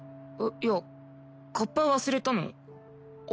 いやカッパ忘れたの俺なんで。